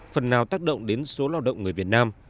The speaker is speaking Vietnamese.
phần nào tác động đến số lao động người việt nam